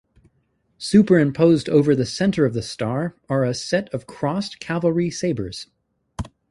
Superimposed over the center of the star are a set of crossed cavalry sabers.